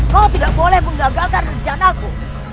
kau tidak boleh menggagalkan rencanaku